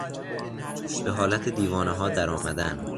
به حالت دیوانهها در آمدن